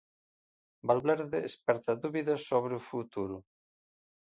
Valverde esperta dúbidas sobre o futuro.